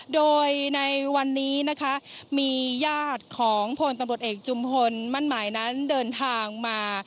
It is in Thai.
โดยในวันนี้นะคะมีญาติของพลตำรวจเอกจุมพลมั่นหมายนั้นเดินทางมา